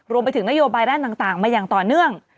รวมไปถึงนโยบายด้านต่างมาอย่างต่อเนื่อง